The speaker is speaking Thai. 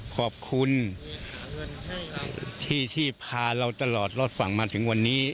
ขอบคุณที่พาเราตลอดรอดฝั่งมาถึงวันนี้